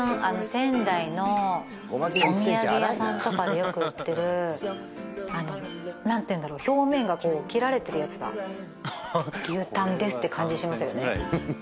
仙台のお土産屋さんとかでよく売ってるあの何ていうんだろう表面がこう切られてるやつだ牛タンですって感じしますよね